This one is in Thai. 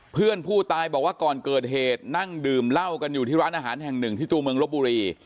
เพื่อนผู้ตายบอกว่าก่อนเกิดเหตุนั่งดื่มเหล้ากันอยู่ที่ร้านอาหารแห่งหนึ่งที่ตัวเมืองลบบุรี